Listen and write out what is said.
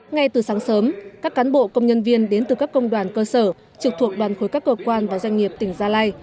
ngay từ sáng sớm các cán bộ công nhân viên đến từ các công đoàn cơ sở trực thuộc đoàn khối các cơ quan và doanh nghiệp tỉnh gia lai